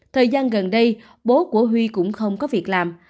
thời gian gần đây bố của huy cũng không có việc làm